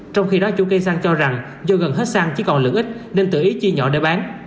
trong khi đó chủ cây xăng cho rằng do gần hết xăng chỉ còn lượng ít nên tự ý chia nhỏ để bán